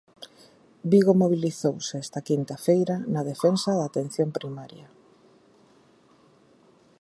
Vigo mobilizouse esta quinta feira na defensa da Atención Primaria.